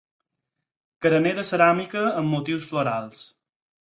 Carener de ceràmica amb motius florals.